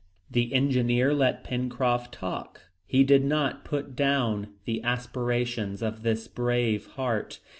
The engineer let Pencroft talk. He did not put down the aspirations of this brave heart.